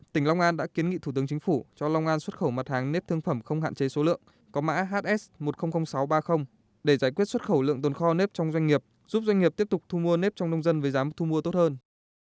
tỉnh long an đã kiến nghị thủ tướng chính phủ cho long an xuất khẩu mặt hàng nếp thương phẩm không hạn chế số lượng có mã hs một nghìn sáu trăm ba mươi để giải quyết xuất khẩu lượng tồn kho nếp trong doanh nghiệp giúp doanh nghiệp tiếp tục thu mua nếp trong nông dân với giá thu mua tốt hơn